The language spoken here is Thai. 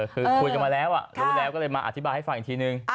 คือคุยกันมาแล้วรู้แล้วก็เลยมาอธิบายให้ฟังอีกทีนึง